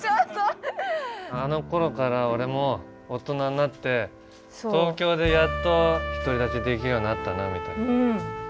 あのころから俺も大人になって東京でやっと独り立ちできるようになったなみたいな。